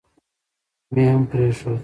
مې هم پرېښود.